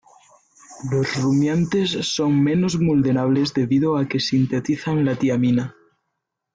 Los rumiantes son menos vulnerables debido a que sintetizan la tiamina.